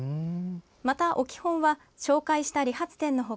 また、置き本は紹介した理髪店の他